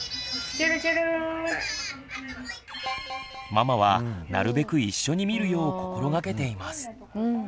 ママはなるべく一緒に見るよう心がけています。